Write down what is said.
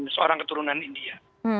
seorang keturunan india